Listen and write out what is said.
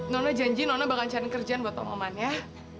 nona janji nona bakal cari kerjaan buat pak mamon ya